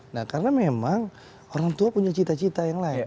nah karena memang orang tua punya cita cita yang lain